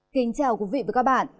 kính chào quý vị và các bạn